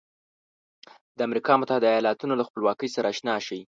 د امریکا متحده ایالتونو له خپلواکۍ سره آشنا شئ.